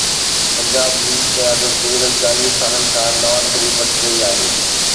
پنجاب جي قيادت گذريل چاليهه سالن کان نواز شريف وٽ رهي آهي.